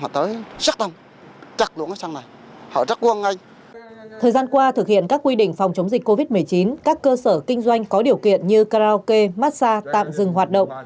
thời gian qua thực hiện các quy định phòng chống dịch covid một mươi chín các cơ sở kinh doanh có điều kiện như karaoke massage tạm dừng hoạt động